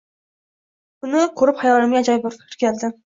Buni koʻrib xayolimga ajoyib bir fikr keldi.